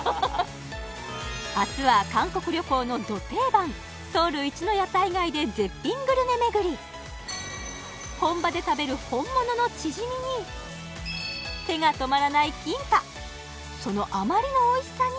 明日は韓国旅行のド定番ソウル一の本場で食べる本物のチヂミに手が止まらないキンパそのあまりのおいしさに